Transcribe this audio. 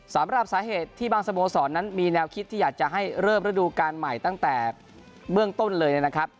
สำหรับสาเหตุที่บางสโมสรนั้นมีแนวคิดที่อยากจะให้เริ่มระดูการใหม่ตั้งแต่เบื้องต้นเลยนะครับ